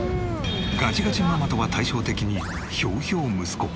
ガチガチママとは対照的にひょうひょう息子。